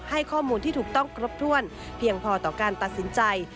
ให้ข้อมูลที่ถูกต้องครบถ้วนเพียงพอต่อการตัดสินใจ